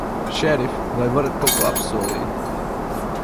Šerif, vai varat kaut ko apsolīt?